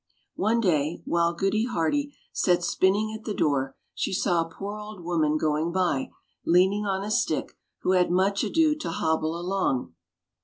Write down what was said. One day, while Goody Hearty sat spinning at the door y she saw a poor old woman going by, leaning on a stick, who had much ado to hobble along.